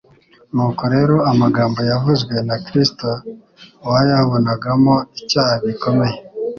nuko rero amagambo yavuzwe na Kristo bayabonagamo icyaha gikomeye,